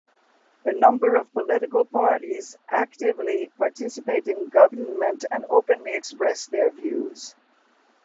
A number of political parties actively participate in government and openly express their views.